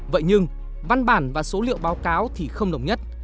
vậy nhưng văn bản và số liệu báo cáo thì không đồng nhất